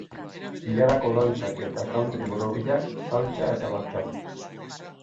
Ilarako dantzak eta country borobilak, saltsa eta batxata.